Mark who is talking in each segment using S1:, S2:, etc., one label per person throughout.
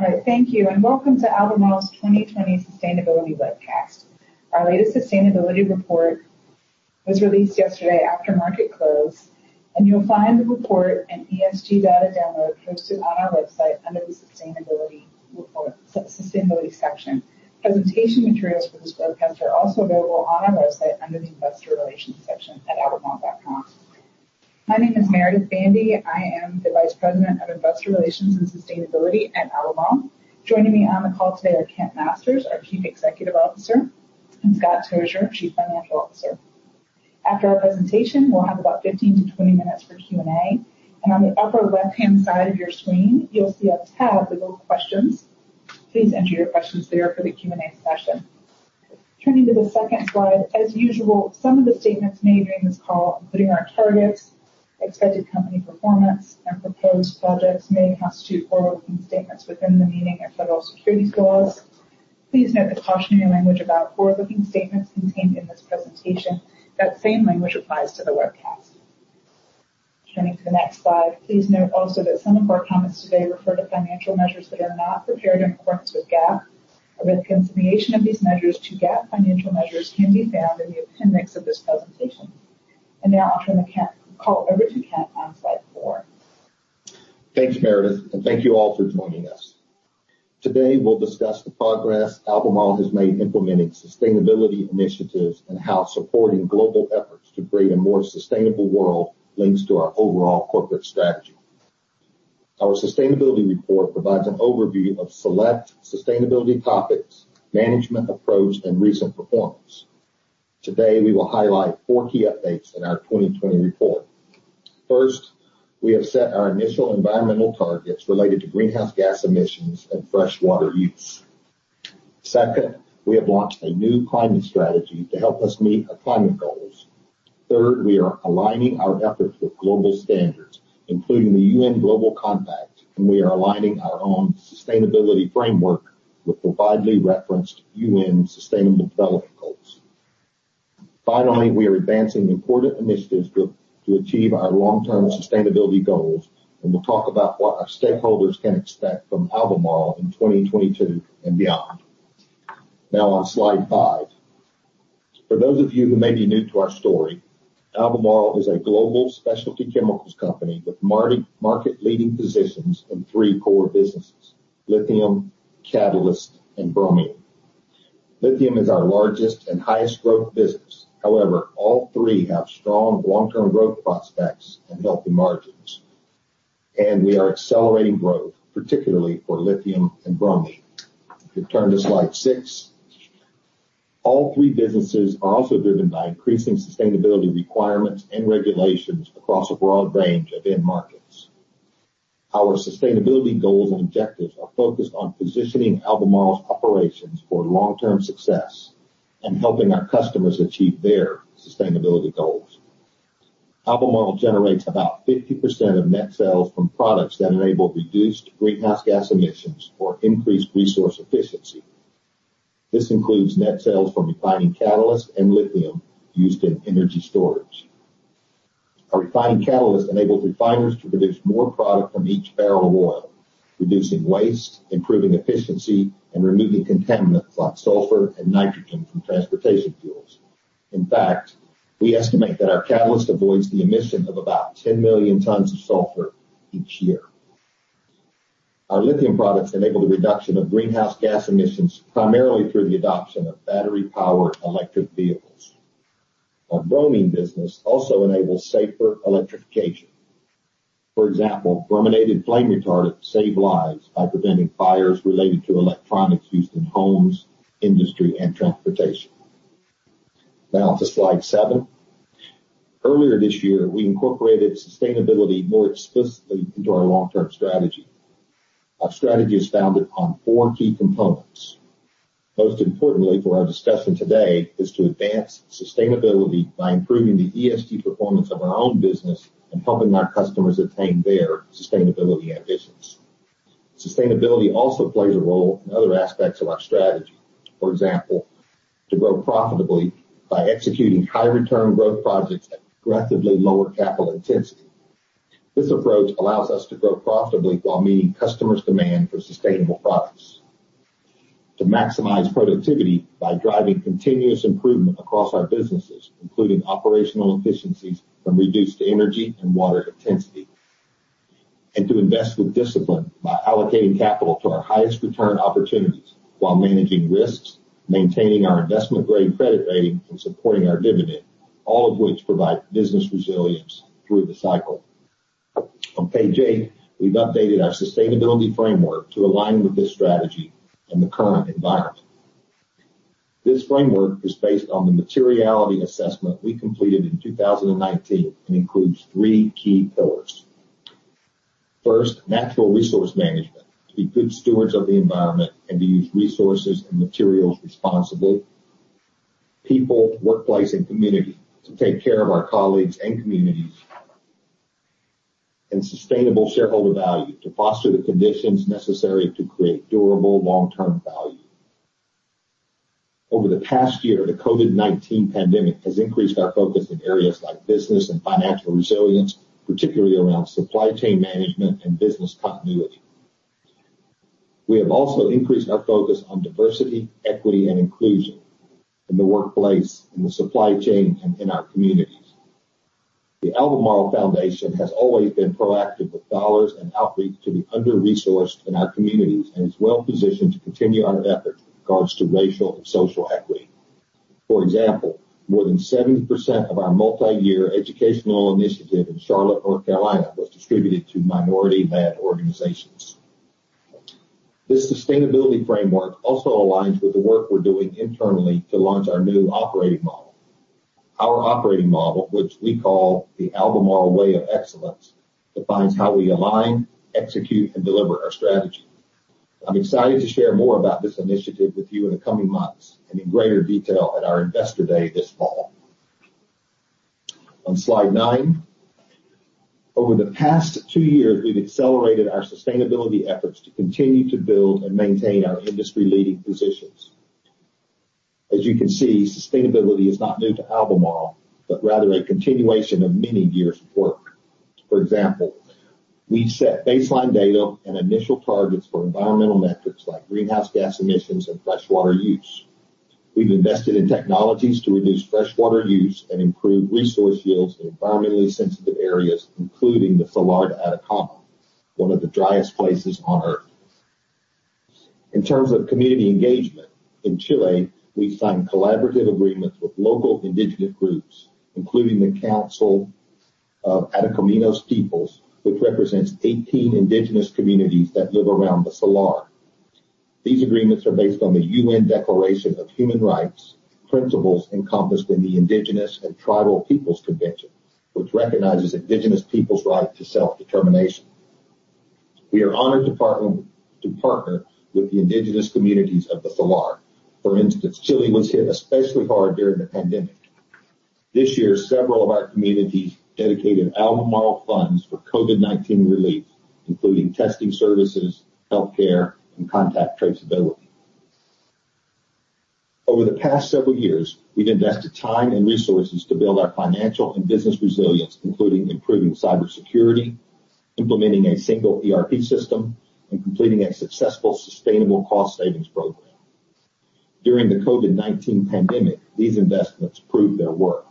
S1: All right, thank you. Welcome to Albemarle's 2020 Sustainability Webcast. Our latest sustainability report was released yesterday after market close. You'll find the report and ESG data download posted on our website under the Sustainability section. Presentation materials for this webcast are also available on our website under the Investor Relations section at albemarle.com. My name is Meredith Bandy. I am the Vice President of Investor Relations and Sustainability at Albemarle. Joining me on the call today are Kent Masters, our Chief Executive Officer, and Scott Tozier, Chief Financial Officer. After our presentation, we'll have about 15 to 20 minutes for Q&A. On the upper left-hand side of your screen, you'll see a tab with the little questions. Please enter your questions there for the Q&A session. Turning to the second slide. As usual, some of the statements made during this call, including our targets, expected company performance, and proposed projects, may constitute forward-looking statements within the meaning of federal securities laws. Please note the cautionary language about forward-looking statements contained in this presentation. That same language applies to the webcast. Turning to the next slide. Please note also that some of our comments today refer to financial measures that are not prepared in accordance with GAAP. A reconciliation of these measures to GAAP financial measures can be found in the appendix of this presentation. Now I'll turn the call over to Kent on slide four.
S2: Thanks, Meredith, and thank you all for joining us. Today, we'll discuss the progress Albemarle has made implementing sustainability initiatives and how supporting global efforts to create a more sustainable world links to our overall corporate strategy. Our sustainability report provides an overview of select sustainability topics, management approach, and recent performance. Today, we will highlight four key updates in our 2020 report. First, we have set our initial environmental targets related to greenhouse gas emissions and freshwater use. Second, we have launched a new climate strategy to help us meet our climate goals. Third, we are aligning our efforts with global standards, including the UN Global Compact, and we are aligning our own sustainability framework with the widely referenced UN Sustainable Development Goals. We are advancing important initiatives to achieve our long-term sustainability goals, and we'll talk about what our stakeholders can expect from Albemarle in 2022 and beyond. On slide five. For those of you who may be new to our story, Albemarle is a global specialty chemicals company with market-leading positions in three core businesses, lithium, catalyst, and bromine. Lithium is our largest and highest growth business. All three have strong long-term growth prospects and healthy margins. We are accelerating growth, particularly for lithium and bromine. If you turn to slide six. All three businesses are also driven by increasing sustainability requirements and regulations across a broad range of end markets. Our sustainability goals and objectives are focused on positioning Albemarle's operations for long-term success and helping our customers achieve their sustainability goals. Albemarle generates about 50% of net sales from products that enable reduced greenhouse gas emissions or increased resource efficiency. This includes net sales from refining catalyst and lithium used in energy storage. A refining catalyst enables refiners to produce more product from each barrel of oil, reducing waste, improving efficiency, and removing contaminants like sulfur and nitrogen from transportation fuels. In fact, we estimate that our catalyst avoids the emission of about 10 million tons of sulfur each year. Our lithium products enable the reduction of greenhouse gas emissions, primarily through the adoption of battery-powered electric vehicles. Our bromine business also enables safer electrification. For example, brominated flame retardants save lives by preventing fires related to electronics used in homes, industry, and transportation. Now to slide seven. Earlier this year, we incorporated sustainability more explicitly into our long-term strategy. Our strategy is founded on four key components. Most importantly for our discussion today is to advance sustainability by improving the ESG performance of our own business and helping our customers attain their sustainability ambitions. Sustainability also plays a role in other aspects of our strategy. For example, to grow profitably by executing high-return growth projects at progressively lower capital intensity. This approach allows us to grow profitably while meeting customers' demand for sustainable products. To maximize productivity by driving continuous improvement across our businesses, including operational efficiencies from reduced energy and water intensity. To invest with discipline by allocating capital to our highest return opportunities while managing risks, maintaining our investment-grade credit rating, and supporting our dividend, all of which provide business resilience through the cycle. On page eight, we've updated our sustainability framework to align with this strategy and the current environment. This framework is based on the materiality assessment we completed in 2019 and includes three key pillars. First, natural resource management, to be good stewards of the environment and to use resources and materials responsibly. People, workplace, and community, to take care of our colleagues and communities. Sustainable shareholder value, to foster the conditions necessary to create durable long-term value. Over the past year, the COVID-19 pandemic has increased our focus in areas like business and financial resilience, particularly around supply chain management and business continuity. We have also increased our focus on diversity, equity, and inclusion in the workplace, in the supply chain, and in our communities. The Albemarle Foundation has always been proactive with dollars and outreach to the under-resourced in our communities and is well-positioned to continue our efforts with regards to racial and social equity. For example, more than 70% of our multi-year educational initiative in Charlotte, North Carolina, was distributed to minority-led organizations. This sustainability framework also aligns with the work we're doing internally to launch our new operating model. Our operating model, which we call the Albemarle Way of Excellence, defines how we align, execute, and deliver our strategy. I'm excited to share more about this initiative with you in the coming months and in greater detail at our Investor Day this fall. On slide nine. Over the past two years, we've accelerated our sustainability efforts to continue to build and maintain our industry-leading positions. As you can see, sustainability is not new to Albemarle, rather a continuation of many years of work. For example, we've set baseline data and initial targets for environmental metrics like greenhouse gas emissions and freshwater use. We've invested in technologies to reduce freshwater use and improve resource yields in environmentally sensitive areas, including the Salar de Atacama, one of the driest places on Earth. In terms of community engagement, in Chile, we've signed collaborative agreements with local indigenous groups, including the Council of Atacameño Peoples, which represents 18 indigenous communities that live around the Salar. These agreements are based on the Universal Declaration of Human Rights principles encompassed in the Indigenous and Tribal Peoples Convention, which recognizes indigenous people's right to self-determination. We are honored to partner with the indigenous communities of the Salar. For instance, Chile was hit especially hard during the pandemic. This year, several of our communities dedicated Albemarle funds for COVID-19 relief, including testing services, healthcare, and contact traceability. Over the past several years, we've invested time and resources to build our financial and business resilience, including improving cybersecurity, implementing a single ERP system, and completing a successful sustainable cost savings program. During the COVID-19 pandemic, these investments proved their worth. We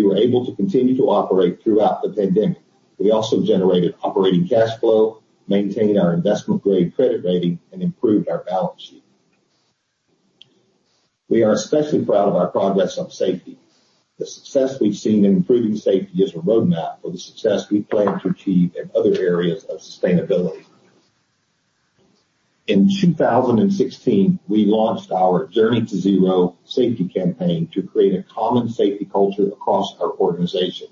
S2: were able to continue to operate throughout the pandemic. We also generated operating cash flow, maintained our investment-grade credit rating, and improved our balance sheet. We are especially proud of our progress on safety. The success we've seen in improving safety is a roadmap for the success we plan to achieve in other areas of sustainability. In 2016, we launched our Journey to Zero safety campaign to create a common safety culture across our organization.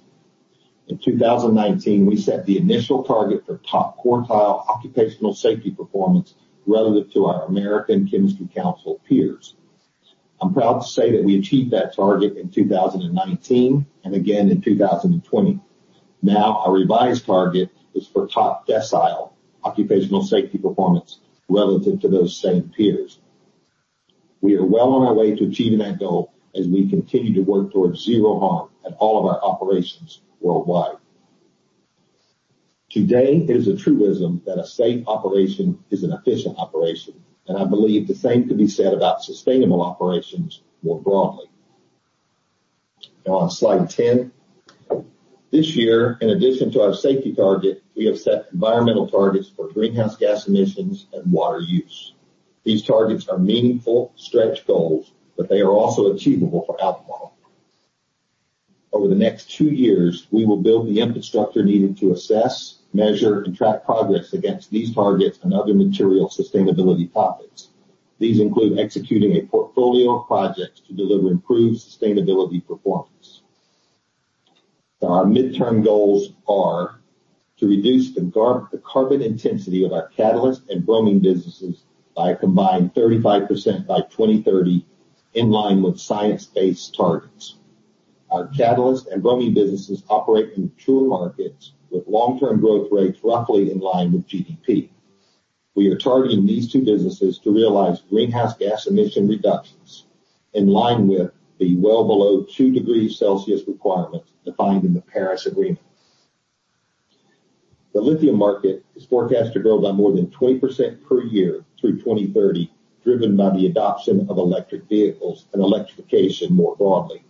S2: In 2019, we set the initial target for top quartile occupational safety performance relative to our American Chemistry Council peers. I'm proud to say that we achieved that target in 2019 and again in 2020. Our revised target is for top decile occupational safety performance relative to those same peers. We are well on our way to achieving that goal as we continue to work towards zero harm at all of our operations worldwide. Today, it is a truism that a safe operation is an efficient operation, and I believe the same can be said about sustainable operations more broadly. On slide 10. This year, in addition to our safety target, we have set environmental targets for greenhouse gas emissions and water use. These targets are meaningful stretch goals, but they are also achievable for Albemarle. Over the next two years, we will build the infrastructure needed to assess, measure, and track progress against these targets and other material sustainability topics. These include executing a portfolio of projects to deliver improved sustainability performance. Our midterm goals are to reduce the carbon intensity of our catalyst and bromine businesses by a combined 35% by 2030 in line with science-based targets. Our catalyst and bromine businesses operate in two markets with long-term growth rates roughly in line with GDP. We are targeting these two businesses to realize greenhouse gas emission reductions in line with the well below two degrees Celsius requirements defined in the Paris Agreement. The lithium market is forecast to grow by more than 20% per year through 2030, driven by the adoption of electric vehicles and electrification more broadly.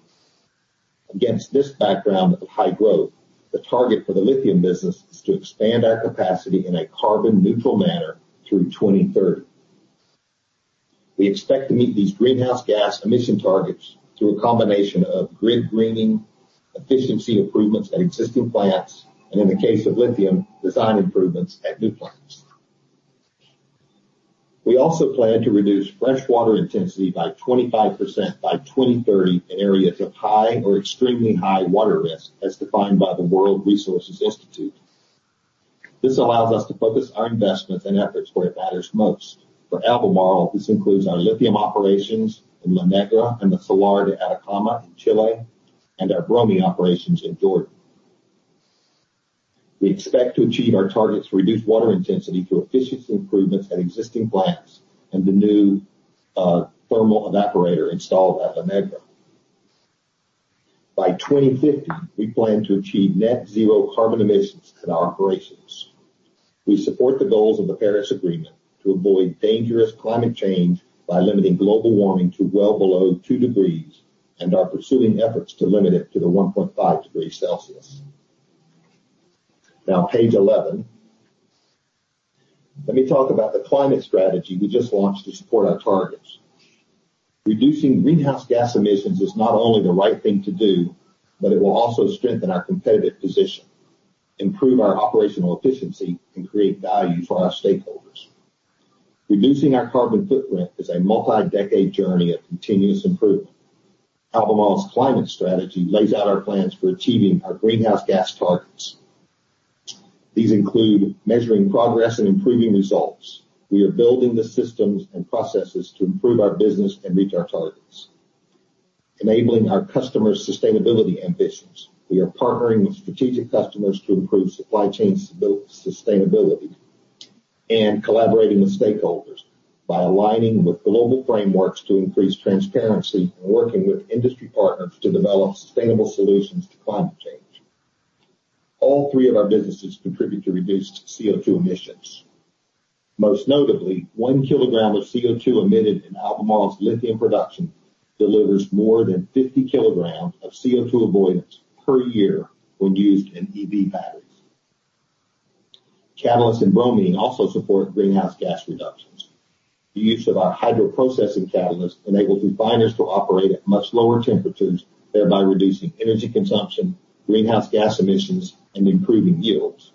S2: Against this background of high growth, the target for the lithium business is to expand our capacity in a carbon neutral manner through 2030. We expect to meet these greenhouse gas emission targets through a combination of grid greening, efficiency improvements at existing plants, and in the case of lithium, design improvements at new plants. We also plan to reduce freshwater intensity by 25% by 2030 in areas of high or extremely high water risk as defined by the World Resources Institute. This allows us to focus our investments and efforts where it matters most. For Albemarle, this includes our lithium operations in La Negra and the Salar de Atacama in Chile and our bromine operations in Jordan. We expect to achieve our targets for reduced water intensity through efficiency improvements at existing plants and the new thermal evaporator installed at La Negra. By 2050, we plan to achieve net zero carbon emissions in our operations. We support the goals of the Paris Agreement to avoid dangerous climate change by limiting global warming to well below two degrees and are pursuing efforts to limit it to the 1.5 degree Celsius. Now, page 11. Let me talk about the climate strategy we just launched to support our targets. Reducing greenhouse gas emissions is not only the right thing to do, but it will also strengthen our competitive position, improve our operational efficiency, and create value for our stakeholders. Reducing our carbon footprint is a multi-decade journey of continuous improvement. Albemarle's climate strategy lays out our plans for achieving our greenhouse gas targets. These include measuring progress and improving results. We are building the systems and processes to improve our business and reach our targets. Enabling our customers' sustainability ambitions. We are partnering with strategic customers to improve supply chain sustainability and collaborating with stakeholders by aligning with global frameworks to increase transparency and working with industry partners to develop sustainable solutions to climate change. All three of our businesses contribute to reduced CO2 emissions. Most notably, one kilogram of CO2 emitted in Albemarle's lithium production delivers more than 50 kgs of CO2 avoidance per year when used in EV batteries. Catalysts and Bromine also support greenhouse gas reductions. The use of our hydroprocessing catalysts enable refiners to operate at much lower temperatures, thereby reducing energy consumption, greenhouse gas emissions, and improving yields.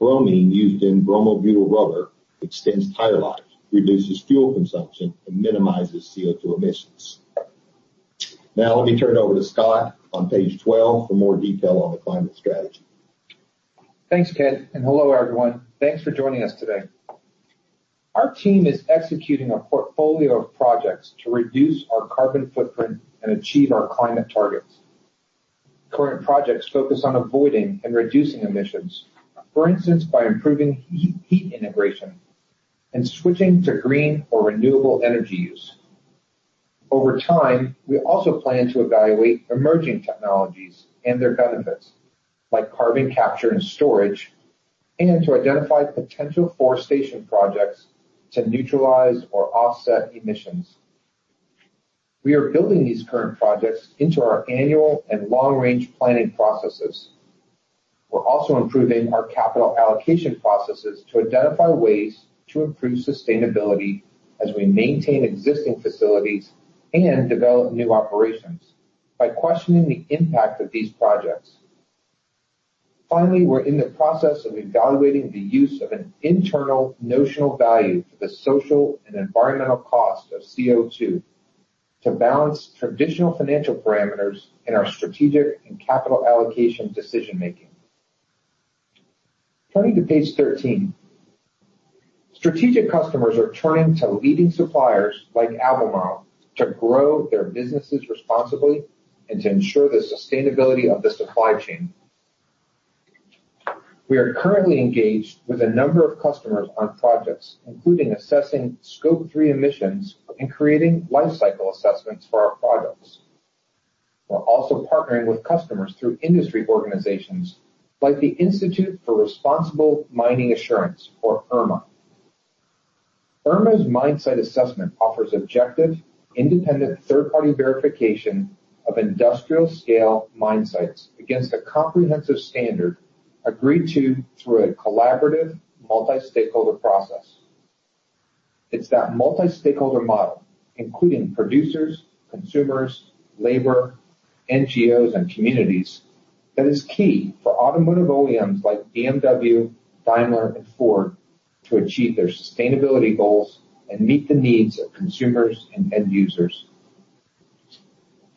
S2: Bromine used in bromobutyl rubber extends tire life, reduces fuel consumption, and minimizes CO2 emissions. Now let me turn it over to Scott on page 12 for more detail on the climate strategy.
S3: Thanks, Kent, and hello, everyone. Thanks for joining us today. Our team is executing a portfolio of projects to reduce our carbon footprint and achieve our climate targets. Current projects focus on avoiding and reducing emissions, for instance, by improving heat integration and switching to green or renewable energy use. Over time, we also plan to evaluate emerging technologies and their benefits, like carbon capture and storage, and to identify potential forestation projects to neutralize or offset emissions. We are building these current projects into our annual and long-range planning processes. We're also improving our capital allocation processes to identify ways to improve sustainability as we maintain existing facilities and develop new operations by questioning the impact of these projects. Finally, we're in the process of evaluating the use of an internal notional value for the social and environmental cost of CO2 to balance traditional financial parameters in our strategic and capital allocation decision-making. Turning to page 13. Strategic customers are turning to leading suppliers like Albemarle to grow their businesses responsibly and to ensure the sustainability of the supply chain. We are currently engaged with a number of customers on projects, including assessing Scope 3 emissions and creating life cycle assessments for our products. We're also partnering with customers through industry organizations like the Initiative for Responsible Mining Assurance, or IRMA. IRMA's mine site assessment offers objective, independent third-party verification of industrial-scale mine sites against a comprehensive standard agreed to through a collaborative multi-stakeholder process. It's that multi-stakeholder model, including producers, consumers, labor, NGOs, and communities, that is key for automotive OEMs like BMW, Daimler, and Ford to achieve their sustainability goals and meet the needs of consumers and end users.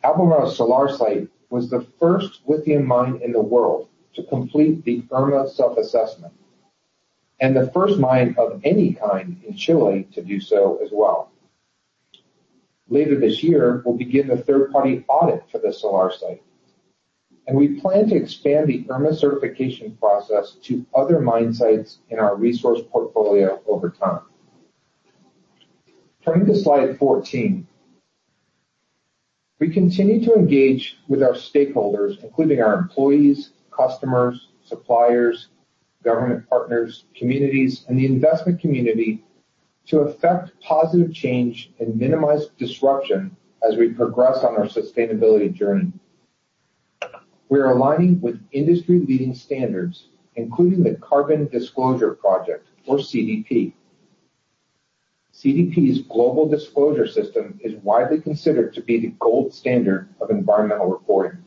S3: Albemarle's Salar site was the first lithium mine in the world to complete the IRMA self-assessment and the first mine of any kind in Chile to do so as well. Later this year, we'll begin a third-party audit for the Salar site, and we plan to expand the IRMA certification process to other mine sites in our resource portfolio over time. Turning to slide 14. We continue to engage with our stakeholders, including our employees, customers, suppliers, government partners, communities, and the investment community to affect positive change and minimize disruption as we progress on our sustainability journey. We are aligning with industry-leading standards, including the Carbon Disclosure Project or CDP. CDP's global disclosure system is widely considered to be the gold standard of environmental reporting.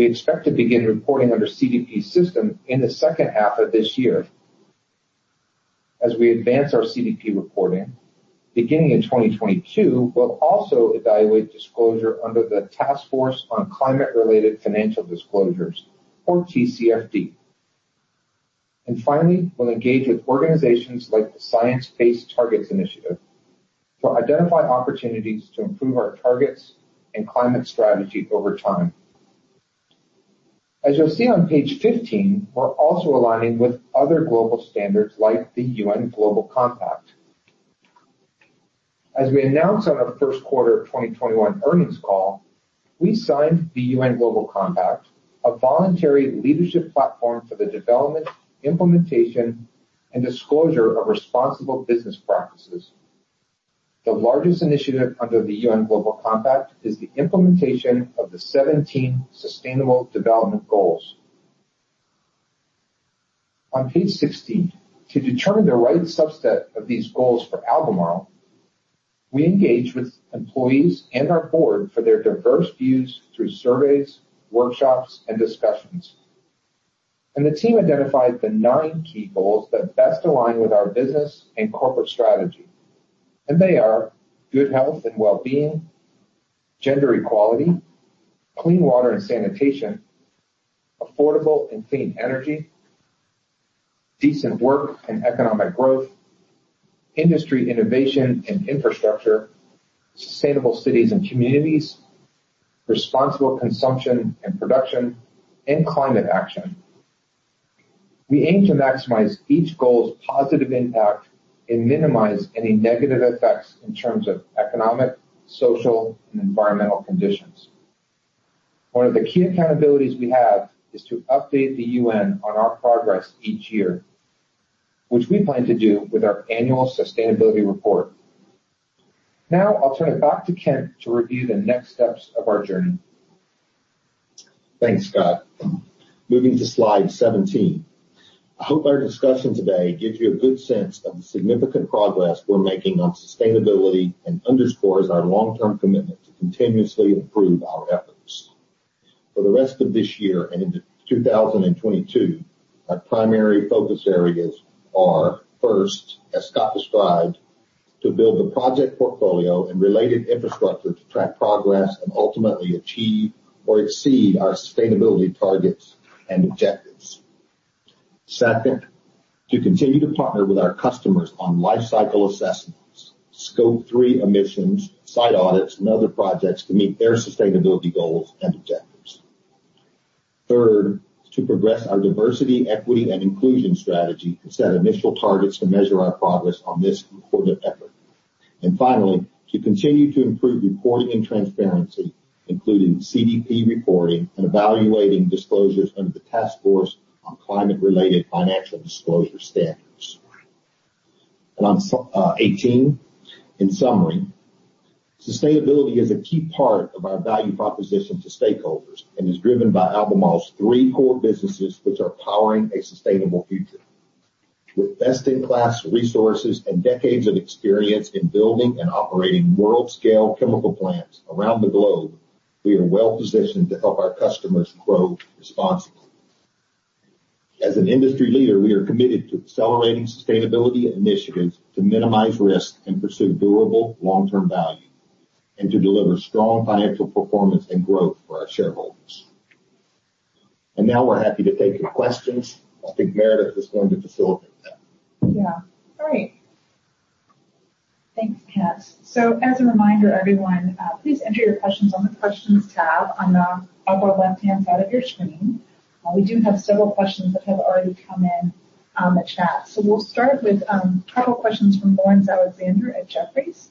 S3: We expect to begin reporting under CDP's system in the second half of this year. As we advance our CDP reporting, beginning in 2022, we'll also evaluate disclosure under the Task Force on Climate-related Financial Disclosures or TCFD. Finally, we'll engage with organizations like the Science Based Targets initiative to identify opportunities to improve our targets and climate strategy over time. As you'll see on page 15, we're also aligning with other global standards like the UN Global Compact. As we announced on our first quarter of 2021 earnings call, we signed the UN Global Compact, a voluntary leadership platform for the development, implementation, and disclosure of responsible business practices. The largest initiative under the UN Global Compact is the implementation of the 17 Sustainable Development Goals. On page 16, to determine the right subset of these goals for Albemarle, we engaged with employees and our board for their diverse views through surveys, workshops, and discussions. The team identified the nine key goals that best align with our business and corporate strategy. They are Good Health and Wellbeing, Gender Equality, Clean Water and Sanitation, Affordable and Clean Energy, Decent Work and Economic Growth, Industry Innovation and Infrastructure, Sustainable Cities and Communities, Responsible Consumption and Production, and Climate Action. We aim to maximize each goal's positive impact and minimize any negative effects in terms of economic, social, and environmental conditions. One of the key accountabilities we have is to update the UN on our progress each year, which we plan to do with our annual sustainability report. I'll turn it back to Kent to review the next steps of our journey.
S2: Thanks, Scott. Moving to slide 17. I hope our discussion today gives you a good sense of the significant progress we're making on sustainability and underscores our long-term commitment to continuously improve our efforts. For the rest of this year and into 2022, our primary focus areas are, first, as Scott described, to build the project portfolio and related infrastructure to track progress and ultimately achieve or exceed our sustainability targets and objectives. Second, to continue to partner with our customers on life cycle assessments, Scope 3 emissions, site audits, and other projects to meet their sustainability goals and objectives. Third, to progress our diversity, equity, and inclusion strategy and set initial targets to measure our progress on this important effort. Finally, to continue to improve reporting and transparency, including CDP reporting and evaluating disclosures under the Task Force on Climate-related Financial Disclosures standards. On 18, in summary, sustainability is a key part of our value proposition to stakeholders and is driven by Albemarle's three core businesses, which are powering a sustainable future. With best-in-class resources and decades of experience in building and operating world-scale chemical plants around the globe, we are well-positioned to help our customers grow responsibly. As an industry leader, we are committed to accelerating sustainability initiatives to minimize risk and pursue durable long-term value, and to deliver strong financial performance and growth for our shareholders. Now we're happy to take your questions. I think Meredith is going to facilitate that.
S1: Yeah. All right. Thanks, Kent. As a reminder, everyone, please enter your questions on the Questions tab on the upper left-hand side of your screen. We do have several questions that have already come in on the chat. We'll start with a couple of questions from Laurence Alexander at Jefferies.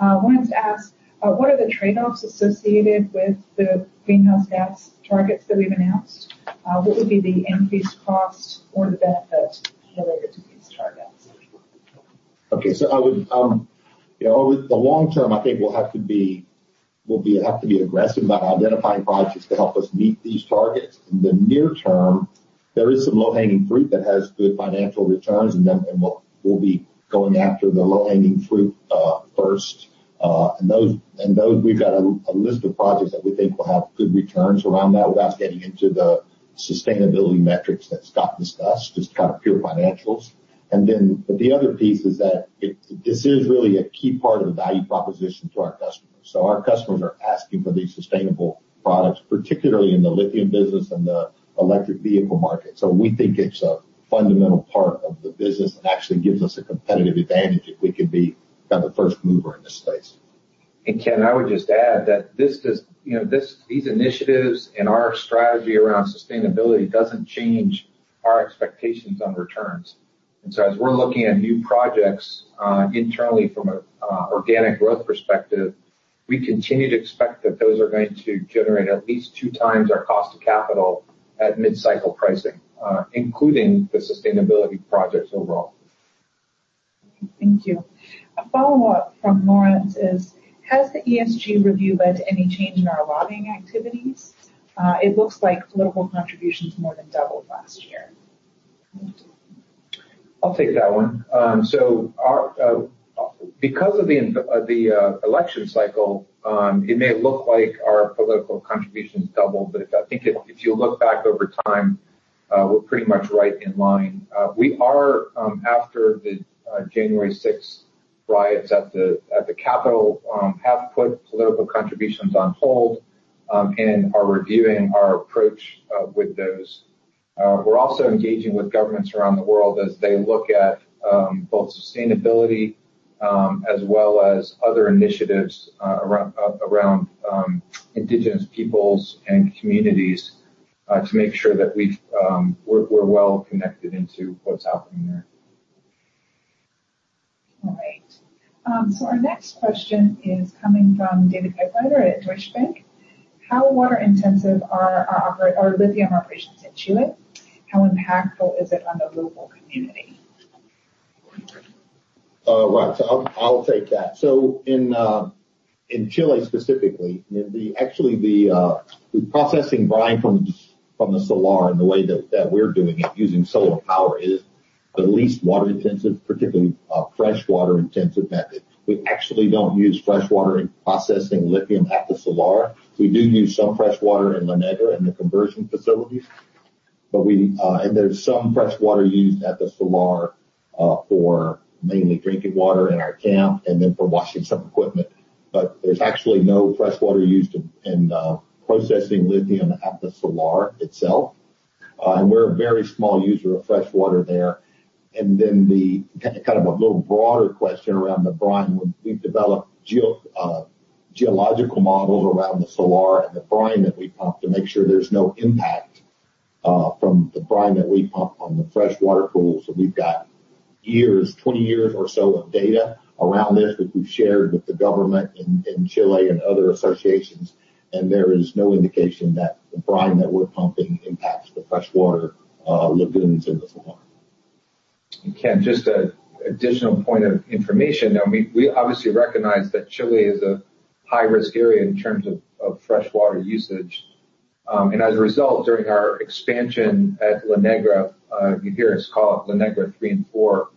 S1: Laurence asked, "What are the trade-offs associated with the greenhouse gas targets that we've announced? What would be the increased cost or the benefit related to these targets?
S2: Okay. Over the long term, I think we'll have to be aggressive about identifying projects to help us meet these targets. In the near term, there is some low-hanging fruit that has good financial returns, and we'll be going after the low-hanging fruit first. Those, we've got a list of projects that we think will have good returns around that, without getting into the sustainability metrics that Scott discussed, just kind of pure financials. The other piece is that this is really a key part of the value proposition to our customers. Our customers are asking for these sustainable products, particularly in the lithium business and the electric vehicle market. We think it's a fundamental part of the business and actually gives us a competitive advantage if we can be the first mover in this space.
S3: Kent, I would just add that these initiatives and our strategy around sustainability doesn't change our expectations on returns. As we're looking at new projects internally from an organic growth perspective, we continue to expect that those are going to generate at least two times our cost of capital at mid-cycle pricing, including the sustainability projects overall.
S1: Thank you. A follow-up from Laurence is: Has the ESG review led to any change in our lobbying activities? It looks like political contributions more than doubled last year.
S3: I'll take that one. Because of the election cycle, it may look like our political contributions doubled. I think if you look back over time, we're pretty much right in line. We are, after the January 6th Riots at the Capitol have put political contributions on hold and are reviewing our approach with those. We're also engaging with governments around the world as they look at both sustainability as well as other initiatives around indigenous peoples and communities to make sure that we're well connected into what's happening there.
S1: All right. Our next question is coming from David Begleiter at Deutsche Bank. How water intensive are lithium operations in Chile? How impactful is it on the local community?
S2: Right. I'll take that. In Chile specifically, actually the processing brine from the Salar and the way that we're doing it using solar power is the least water intensive, particularly freshwater intensive method. We actually don't use freshwater in processing lithium at the Salar. We do use some freshwater in La Negra in the conversion facilities, and there's some freshwater used at the Salar for mainly drinking water in our camp and then for washing some equipment. There's actually no freshwater used in processing lithium at the Salar itself, and we're a very small user of freshwater there. The kind of a little broader question around the brine, we've developed geological models around the Salar and the brine that we pump to make sure there's no impact from the brine that we pump on the freshwater pools. We've got years or so of data around this that we've shared with the government in Chile and other associations, and there is no indication that the brine that we're pumping impacts the freshwater lagoons in the Salar.
S3: Just an additional point of information, we obviously recognize that Chile is a high-risk area in terms of freshwater usage. As a result, during our expansion at La Negra, if you hear us call it La Negra 3 and 4,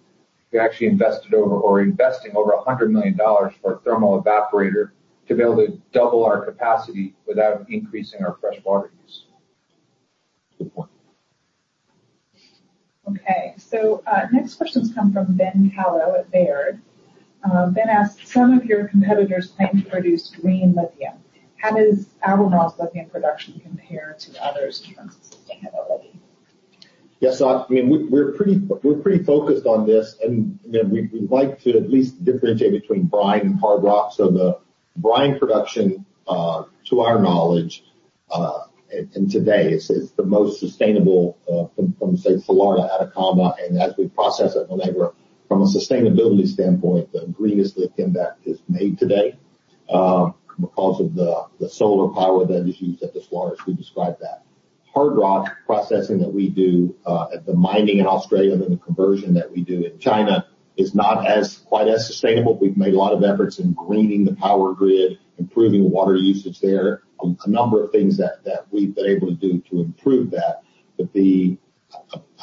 S3: we actually invested over or are investing over $100 million for a thermal evaporator to be able to double our capacity without increasing our freshwater use.
S2: Good point.
S1: Okay, next question's come from Ben Kallo at Baird. Ben asks, "Some of your competitors claim to produce green lithium. How does Albemarle's lithium production compare to others in terms of sustainability?
S2: Yes. We're pretty focused on this. We like to at least differentiate between brine and hard rock. The brine production, to our knowledge, and today it's the most sustainable from, say, Salar de Atacama, and as we process at La Negra. From a sustainability standpoint, the greenest lithium that is made today, because of the solar power that is used at the Salar, as we described that. Hard rock processing that we do at the mining in Australia and the conversion that we do in China is not quite as sustainable. We've made a lot of efforts in greening the power grid, improving water usage there, a number of things that we've been able to do to improve that.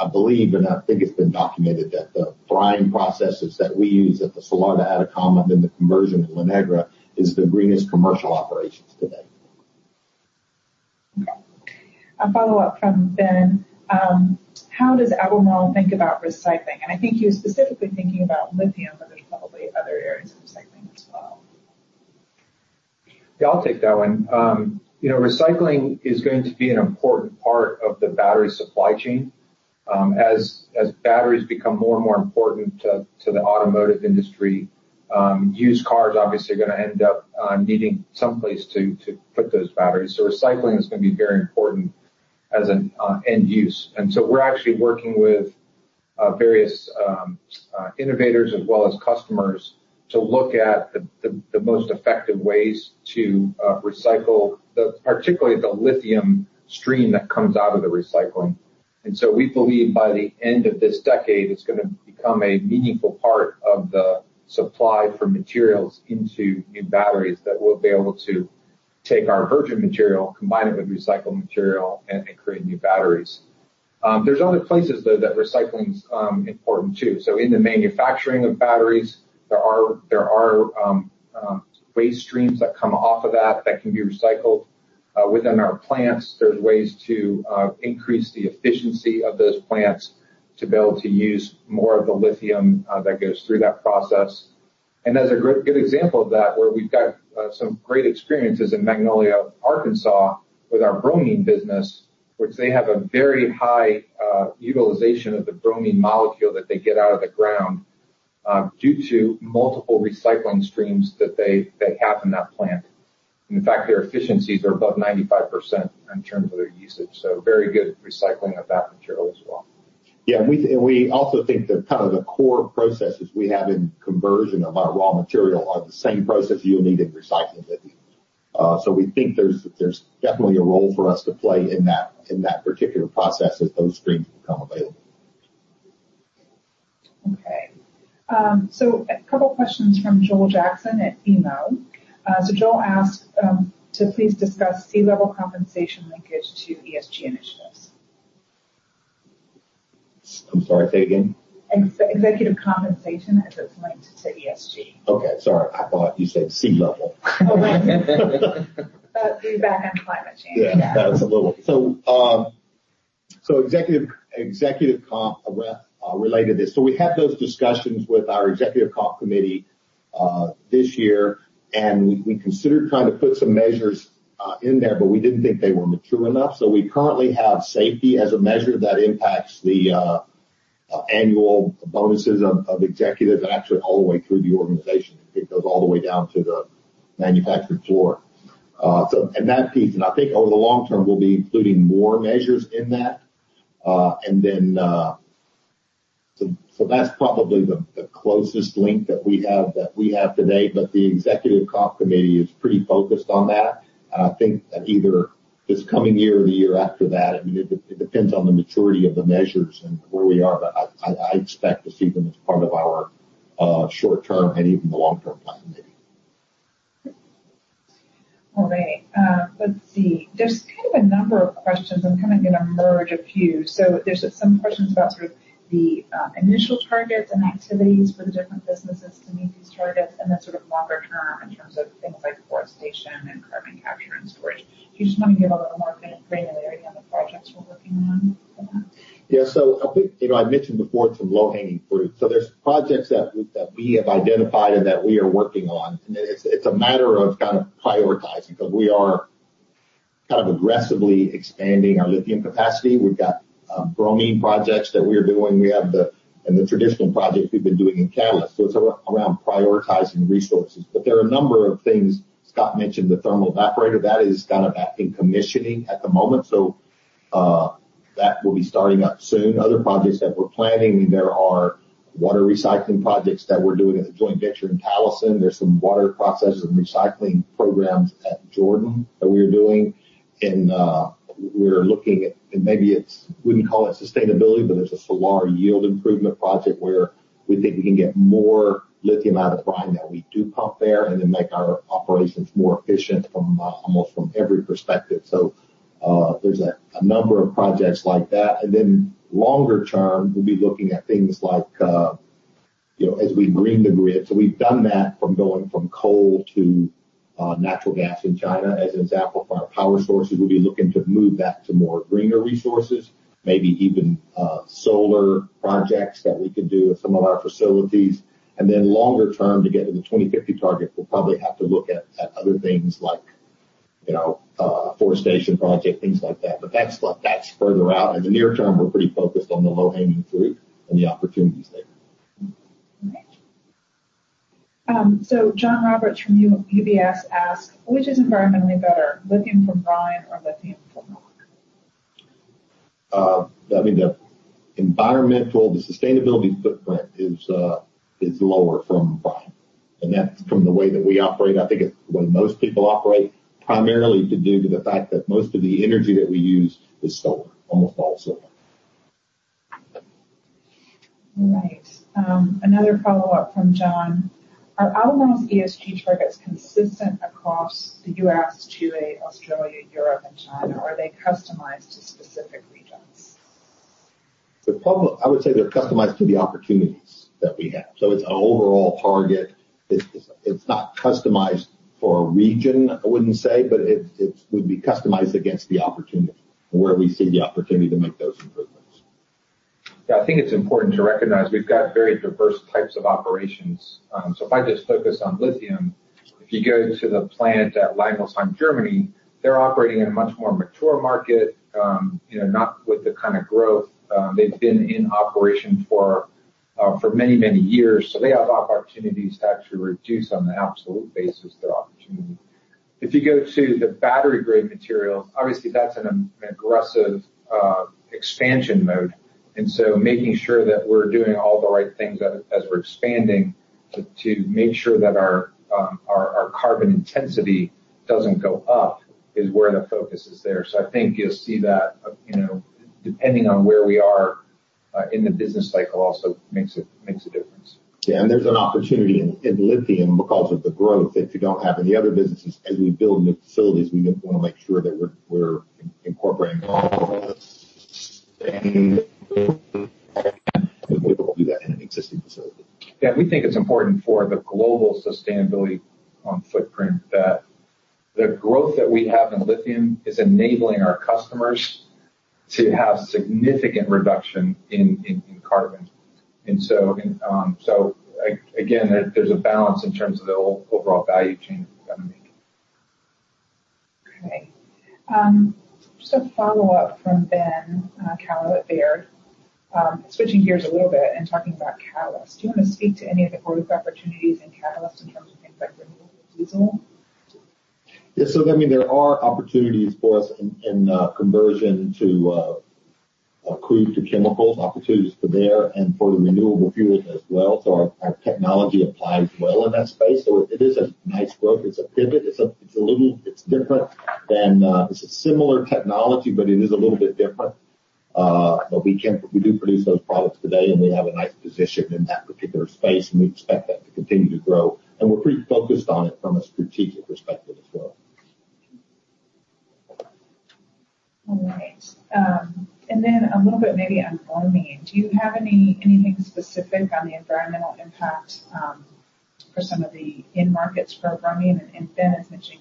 S2: I believe, and I think it's been documented, that the brine processes that we use at the Salar de Atacama and the conversion at La Negra is the greenest commercial operations today.
S1: Okay. A follow-up from Ben. How does Albemarle think about recycling? I think he was specifically thinking about lithium. There's probably other areas of recycling as well.
S3: Yeah, I'll take that one. Recycling is going to be an important part of the battery supply chain. As batteries become more and more important to the automotive industry, used cars obviously are going to end up needing some place to put those batteries. Recycling is going to be very important as an end use. We're actually working with various innovators as well as customers to look at the most effective ways to recycle, particularly the lithium stream that comes out of the recycling. We believe by the end of this decade, it's going to become a meaningful part of the supply for materials into new batteries, that we'll be able to take our virgin material, combine it with recycled material, and create new batteries. There's other places, though, that recycling's important, too. In the manufacturing of batteries, there are waste streams that come off of that can be recycled. Within our plants, there's ways to increase the efficiency of those plants to be able to use more of the lithium that goes through that process. As a good example of that, where we've got some great experiences in Magnolia, Arkansas, with our bromine business, which they have a very high utilization of the bromine molecule that they get out of the ground due to multiple recycling streams that they have in that plant. In fact, their efficiencies are above 95% in terms of their usage, so very good recycling of that material as well.
S2: We also think that the core processes we have in conversion of our raw material are the same processes you'll need in recycling lithium. We think there's definitely a role for us to play in that particular process as those streams become available.
S1: Okay. A couple questions from Joel Jackson at BMO. Joel asks to please discuss C-level compensation linkage to ESG initiatives.
S2: I'm sorry, say again?
S1: Executive compensation and its links to ESG.
S2: Okay. Sorry. I thought you said C-level.
S1: That and climate change, yeah.
S2: Yeah, executive comp related this. We had those discussions with our executive comp committee this year, and we considered trying to put some measures in there, but we didn't think they were mature enough. We currently have safety as a measure that impacts the annual bonuses of executives and actually all the way through the organization. It goes all the way down to the manufacturing floor. In that piece, and I think over the long term, we'll be including more measures in that. That's probably the closest link that we have today. The executive comp committee is pretty focused on that. I think that either this coming year or the year after that, it depends on the maturity of the measures and where we are, but I expect to see them as part of our short-term and even the long-term plan maybe.
S1: All right. Let's see. There's kind of a number of questions. I'm kind of going to merge a few. There's some questions about sort of the initial targets and activities for the different businesses to meet these targets and then sort of longer term in terms of things like forestation and carbon capture and storage. Do you just want to give a little more kind of granularity on the projects we're working on for that?
S2: Yeah. I think I mentioned before some low-hanging fruit. There's projects that we have identified and that we are working on, and it's a matter of kind of prioritizing because we are kind of aggressively expanding our lithium capacity. We've got bromine projects that we are doing. We have the traditional projects we've been doing in catalyst. It's around prioritizing resources. There are a number of things. Scott mentioned the thermal evaporator. That is kind of I think commissioning at the moment. That will be starting up soon. Other projects that we're planning, there are water recycling projects that we're doing at the joint venture in Greenbushes. There's some water processes and recycling programs at Jordan that we are doing. We're looking at, maybe it's, we wouldn't call it sustainability, but there's a solar yield improvement project where we think we can get more lithium out of brine that we do pump there and then make our operations more efficient almost from every perspective. There's a number of projects like that. Longer term, we'll be looking at things like as we green the grid. We've done that from going from coal to natural gas in China, as an example, for our power sources. We'll be looking to move that to more greener resources, maybe even solar projects that we could do at some of our facilities. Longer term to get to the 2050 target, we'll probably have to look at other things like forestation project, things like that. That's further out. In the near term, we're pretty focused on the low-hanging fruit and the opportunities there
S1: All right. John Roberts from UBS asked, which is environmentally better, lithium from brine or lithium from rock?
S2: I mean, the environmental, the sustainability footprint is lower from brine, and that's from the way that we operate. I think it's the way most people operate, primarily due to the fact that most of the energy that we use is solar. Almost all solar.
S1: All right. Another follow-up from John Roberts. Are Albemarle's ESG targets consistent across the U.S., Australia, Europe, and China, or are they customized to specific regions?
S2: I would say they're customized to the opportunities that we have. It's an overall target. It's not customized for a region, I wouldn't say, but it would be customized against the opportunity and where we see the opportunity to make those improvements.
S3: Yeah. I think it's important to recognize we've got very diverse types of operations. If I just focus on lithium, if you go to the plant at Langelsheim, Germany, they're operating in a much more mature market, not with the kind of growth. They've been in operation for many, many years. They have opportunities to actually reduce on an absolute basis their opportunity. If you go to the battery-grade material, obviously that's in an aggressive expansion mode. Making sure that we're doing all the right things as we're expanding to make sure that our carbon intensity doesn't go up is where the focus is there. I think you'll see that depending on where we are in the business cycle also makes a difference.
S2: Yeah. There's an opportunity in lithium because of the growth. If you don't have any other businesses, as we build new facilities, we want to make sure that we're incorporating all of the sustainability. We won't do that in an existing facility.
S3: Yeah. We think it's important for the global sustainability footprint that the growth that we have in lithium is enabling our customers to have significant reduction in carbon. Again, there's a balance in terms of the overall value chain that we've got to make.
S1: Okay. Just a follow-up from Benjamin Kallo, Baird. Switching gears a little bit and talking about catalyst. Do you want to speak to any of the growth opportunities in catalyst in terms of things like renewable diesel?
S2: Yeah. I mean, there are opportunities for us in conversion to crude to chemicals, opportunities for there and for the renewable fuels as well. Our technology applies well in that space. It is a nice growth. It's a pivot. It's a similar technology, but it is a little bit different. We do produce those products today, and we have a nice position in that particular space, and we expect that to continue to grow. We're pretty focused on it from a strategic perspective as well.
S1: All right. A little bit maybe on bromine. Do you have anything specific on the environmental impact for some of the end markets for bromine? Ben is mentioning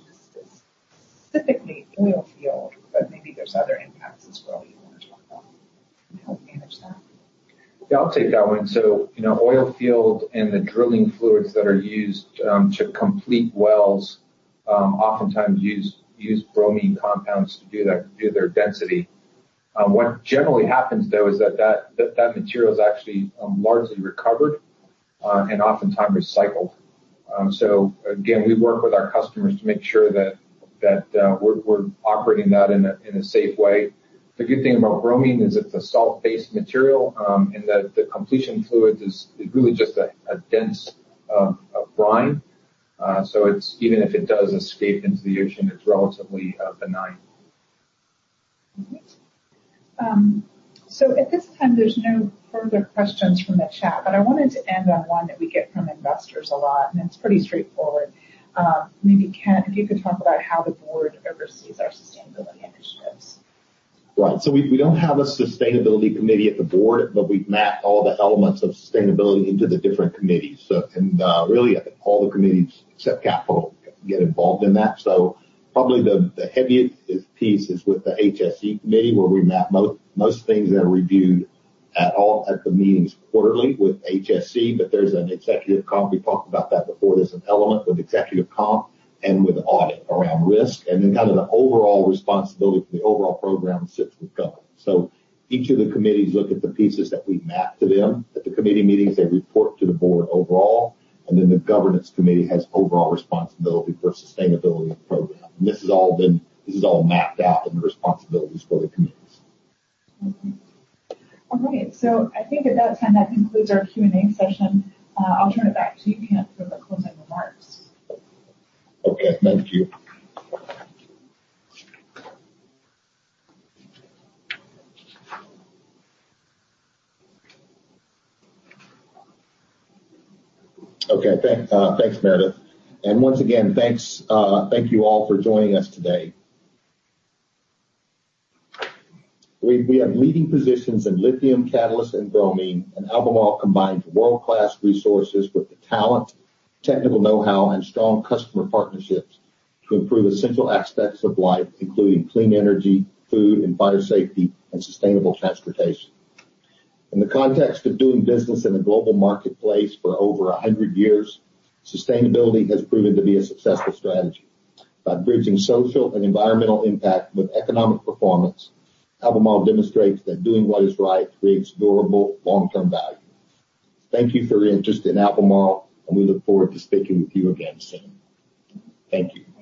S1: Specifically oil field, but maybe there's other impacts as well that you want to talk about to help me understand.
S3: Yeah, I'll take that one. Oil field and the drilling fluids that are used to complete wells oftentimes use bromine compounds to do that due to their density. What generally happens, though, is that material is actually largely recovered and oftentimes recycled. Again, we work with our customers to make sure that we're operating that in a safe way. The good thing about bromine is it's a salt-based material, and that the completion fluid is really just a dense brine. Even if it does escape into the ocean, it's relatively benign.
S1: Great. At this time, there's no further questions from the chat, but I wanted to end on one that we get from investors a lot, and it's pretty straightforward. Maybe, Kent, if you could talk about how the board oversees our sustainability initiatives.
S2: Right. We don't have a sustainability committee at the Board, but we've mapped all the elements of sustainability into the different committees. Really all the committees except capital get involved in that. Probably the heaviest piece is with the HSE committee, where we map most things that are reviewed at the meetings quarterly with HSE, but there's an executive comp. We talked about that before. There's an element with executive comp and with audit around risk, and the overall responsibility for the overall program sits with gov. Each of the committees look at the pieces that we map to them at the committee meetings. They report to the Board overall, and the governance committee has overall responsibility for the sustainability program. This has all been mapped out in the responsibilities for the committees.
S1: Okay. I think at that time, that concludes our Q&A session. I'll turn it back to you, Kent, for the closing remarks.
S2: Okay. Thank you. Okay, thanks, Meredith. Once again, thank you all for joining us today. We have leading positions in lithium, catalysts, and bromine. Albemarle combines world-class resources with the talent, technical know-how, and strong customer partnerships to improve essential aspects of life, including clean energy, food and fire safety, and sustainable transportation. In the context of doing business in a global marketplace for over 100 years, sustainability has proven to be a successful strategy. By bridging social and environmental impact with economic performance, Albemarle demonstrates that doing what is right creates durable long-term value. Thank you for your interest in Albemarle. We look forward to speaking with you again soon. Thank you.